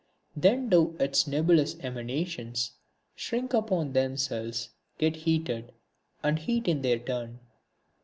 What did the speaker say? Then do its nebulous emanations shrink upon themselves, get heated, and heat in their turn.